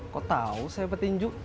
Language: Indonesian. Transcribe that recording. kok tahu saya pak cinju